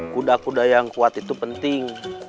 kuda kuda yang kuat itu penting